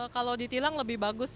kalau ditilang lebih bagus